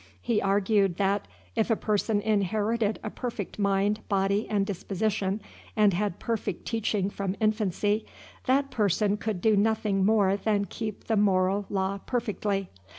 He argued, that, if a person inherited a perfect mind, body, and disposition, and had perfect teaching from infancy, that person could do nothing more than keep the moral law perfectly.